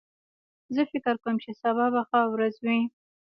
زه فکر کوم چې سبا به ښه ورځ وي